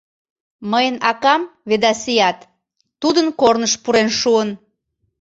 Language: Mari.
Мыйын акам, Ведасиат, тудын корныш пурен шуын.